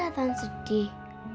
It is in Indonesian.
papa kelihatan sedih